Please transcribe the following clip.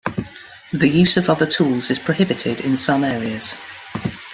The use of other tools is prohibited in some areas.